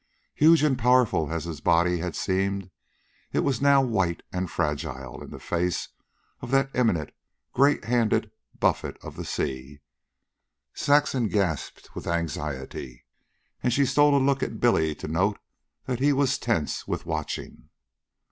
Huge and powerful as his body had seemed, it was now white and fragile in the face of that imminent, great handed buffet of the sea. Saxon gasped with anxiety, and she stole a look at Billy to note that he was tense with watching.